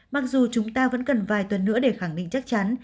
mặc dù chúng ta vẫn cần vài tuần nữa để khẳng định chắc chắn